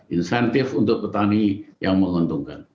insentif untuk petani yang menguntungkan